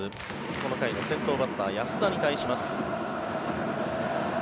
この回の先頭バッター安田に対します。